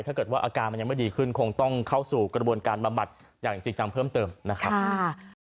ถ้าเกิดว่าอาการมันยังไม่ดีขึ้นคงต้องเข้าสู่กระบวนการบำบัดอย่างจริงจังเพิ่มเติมนะครับ